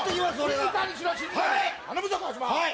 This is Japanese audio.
はい。